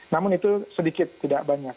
namun itu sedikit tidak banyak